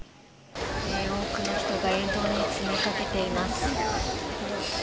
多くの人が沿道に詰めかけています。